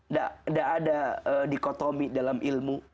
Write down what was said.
tidak ada dikotomi dalam ilmu